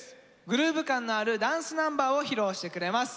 グルーブ感のあるダンスナンバーを披露してくれます。